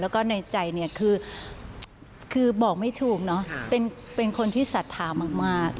แล้วก็ในใจเนี่ยคือบอกไม่ถูกเนอะเป็นคนที่ศรัทธามาก